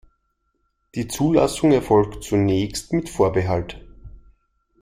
Die Zulassung erfolgt zunächst mit Vorbehalt.